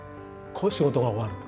仕事が終わると。